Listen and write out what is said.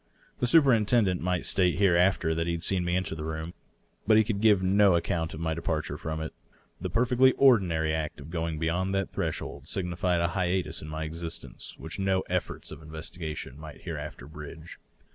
The superintendent might state hereafter that he had seen me enter the room. But he could give no account of my depart ure from it. The perfectly ordinary act of going beyond that thresh old signified a hiatus in my existence which no efforts of investigation might hereafter bridge.